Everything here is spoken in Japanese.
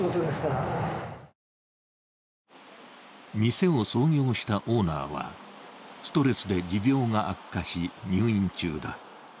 店を創業したオーナーはストレスで持病が悪化し入院中だ。